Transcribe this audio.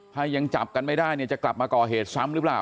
ถ้ายังจับกันไม่ได้เนี่ยจะกลับมาก่อเหตุซ้ำหรือเปล่า